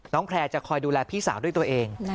แพร่จะคอยดูแลพี่สาวด้วยตัวเอง